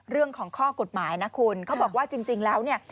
เรื่องของข้อกฎหมายนะคุณเขาบอกว่าจริงแล้วเนี่ย